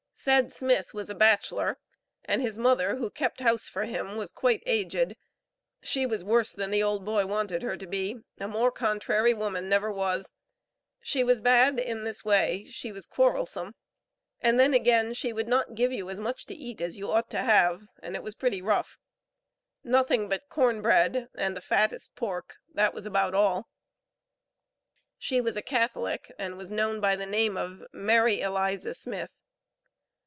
Said Smith was a bachelor, and his mother, who kept house for him, was quite aged; "she was worse than the old boy wanted her to be, a more contrary woman never was; she was bad in this way, she was quarrelsome, and then again she would not give you as much to eat as you ought to have, and it was pretty rough; nothing but corn bread and the fattest pork, that was about all. She was a Catholic, and was known by the name of Mary Eliza Smith."